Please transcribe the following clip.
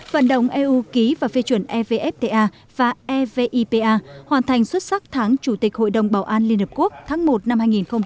vận động eu ký và phê chuẩn evfta và evipa hoàn thành xuất sắc tháng chủ tịch hội đồng bảo an liên hợp quốc tháng một năm hai nghìn hai mươi